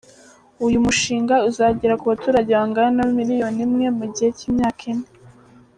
Uyu mushinga uzagera ku baturage bangana na miliyoni imwe mu gihe cy’imyaka ine.